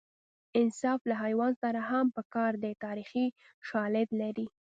انصاف له حیوان سره هم په کار دی تاریخي شالید لري